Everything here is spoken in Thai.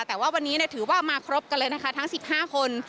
แต่ว่าวันนี้ถือว่ามาครบกันเลยนะคะทั้ง๑๕คน